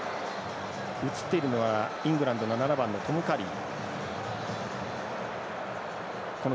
映っていたのは、イングランド７番のトム・カリー。